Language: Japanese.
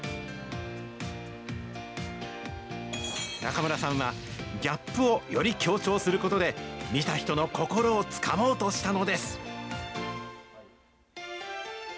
中村さんは、ギャップをより強調することで、見た人の心をつかもうとしたのです。